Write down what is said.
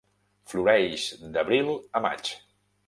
Floreix d'abril a maig.